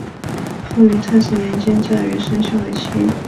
后于泰始年间嫁于孙秀为妻。